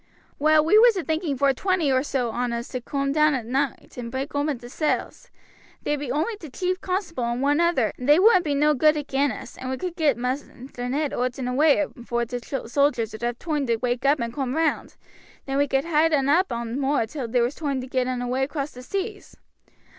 "Well, we was a thinking vor twenty or so on us to coom down at noight and break open t' cells. There be only t' chief constable and one other, and they wouldn't be no good agin us, and we could get Maister Ned owt and away long afore t' sojers would have toime to wake up and coom round; then we could hide un up on moor till there was toime to get un away across the seas.